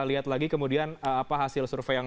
lihat lagi kemudian apa hasil survei yang